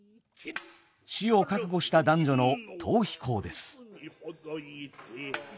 死を覚悟した男女の逃避行です。